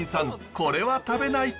これは食べないと。